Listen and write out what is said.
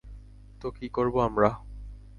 তো কী করবো আমরা?